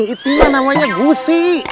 itunya namanya gusi